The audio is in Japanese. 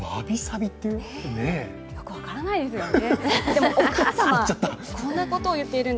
よく分からないですよね。